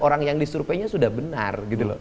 orang yang disurveinya sudah benar